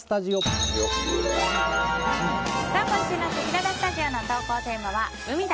今週のせきららスタジオの投稿テーマは海だ！